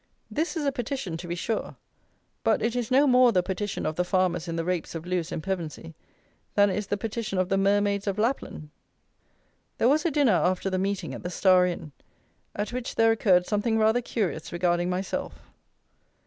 This is a petition to be sure; but it is no more the petition of the farmers in the Rapes of Lewes and Pevensey than it is the petition of the Mermaids of Lapland. There was a dinner after the meeting at the Star Inn, at which there occurred something rather curious regarding myself.